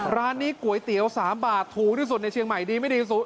ร้านนี้ก๋วยเตี๋ยว๓บาทถูกที่สุดในเชียงใหม่ดีไม่ดีที่สุด